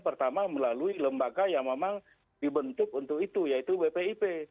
pertama melalui lembaga yang memang dibentuk untuk itu yaitu bpip